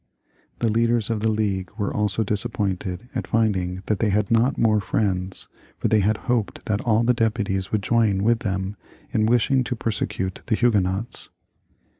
The leaders of the League were also disap pointed at finding that th^y had not more friends, for they had hoped that all the deputies would join with them in wishing to persecute the Huguenots.